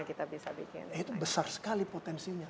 itu besar sekali potensinya